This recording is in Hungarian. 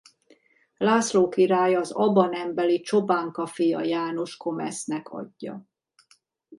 László király az Aba nembeli Csobánka fia János comesnek adja.